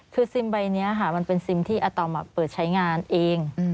คือซิมใบนี้ค่ะมันเป็นซิมที่อาตอมเปิดใช้งานเอง